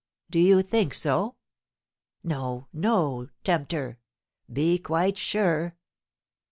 Do you think so? No, no, tempter be quite sure!